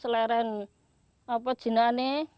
selain jalanan ini